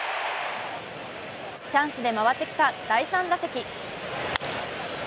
チャンスで回ってきた第３打席。